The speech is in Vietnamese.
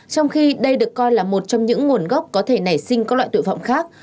trong khi đây được coi là một trong những nguồn gốc có thể nảy sinh các loại tội phạm khác